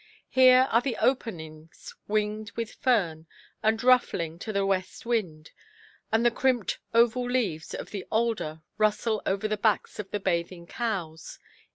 Here are the openings winged with fern, and ruffling to the west wind; and the crimped oval leaves of the alder rustle over the backs of the bathing cows.